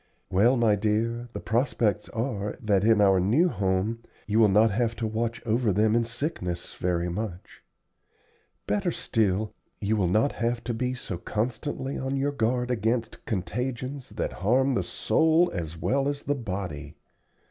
"Well, my dear, the prospects are that in our new home you will not have to watch over them in sickness very much. Better still, you will not have to be so constantly on your guard against contagions that harm the soul as well as the body.